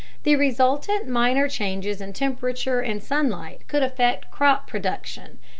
The resultant minor changes in temperature and sunlight could affect crop production.